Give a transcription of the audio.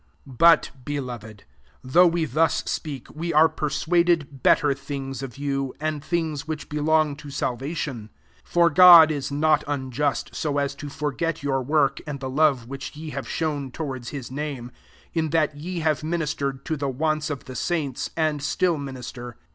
9 But, beloved, though we hus speak, we are persuaded »ctter things of you, and things rhich belong to salvation. 10 ^or God ia not unjust, ao aa to drget yo«r work and the love rhich ye have shown towards ris name, in that ye have mi istered io the wanta of the aints, and atiil minister.